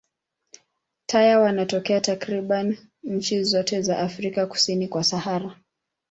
Taya wanatokea takriban nchi zote za Afrika kusini kwa Sahara.